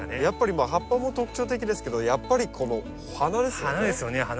やっぱり葉っぱも特徴的ですけどやっぱりこの花ですよね。